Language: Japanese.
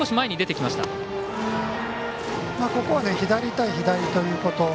ここは左対左ということ。